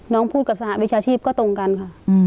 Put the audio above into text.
พูดกับสหวิชาชีพก็ตรงกันค่ะ